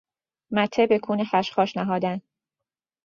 مته بکون خشخاش نهادن